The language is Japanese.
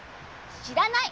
知らない！